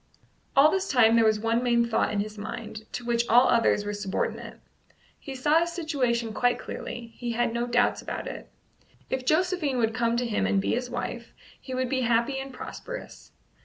All this time there was one main thought in his mind, to which all others were subordinate. He saw his situation quite clearly; he had no doubts about it. If Josephine would come to him and be his wife, he would be happy and prosperous.